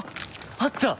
あった。